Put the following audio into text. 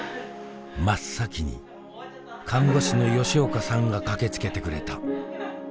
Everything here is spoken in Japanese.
真っ先に看護師の吉岡さんが駆けつけてくれた。